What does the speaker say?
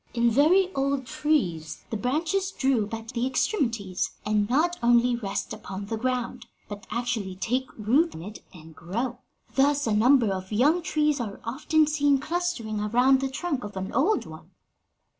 In very old trees the branches droop at the extremities, and not only rest upon the ground, but actually take root in it and grow. Thus a number of young trees are often seen clustering around the trunk of an old one.'"